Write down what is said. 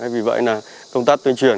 vì vậy là công tác tuyên truyền